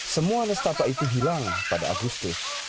semua nestapa itu hilang pada agustus